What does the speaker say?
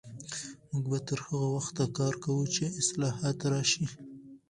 موږ به تر هغه وخته کار کوو چې اصلاحات راشي.